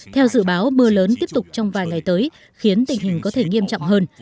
theo dự báo mưa lớn tiếp tục trong vài ngày tới khiến tình hình có thể nghiêm trọng hơn